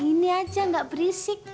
ini aja gak berisik